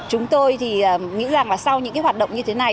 chúng tôi thì nghĩ rằng là sau những cái hoạt động như thế này